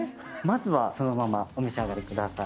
まずはそのままお召し上がりください。